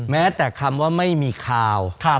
แม้แต่คำว่าไม่มีข่าว